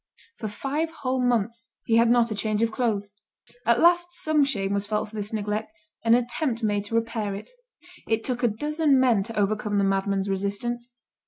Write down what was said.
For five whole months he had not a change of clothes. At last some shame was felt for this neglect, and an attempt was made to repair it. It took a dozen men to overcome the madman's resistance.